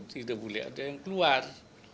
tidak boleh ada yang keluar